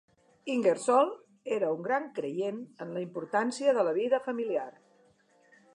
Ingersoll era un gran creient en la importància de la vida familiar.